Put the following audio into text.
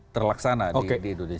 terlaksana di indonesia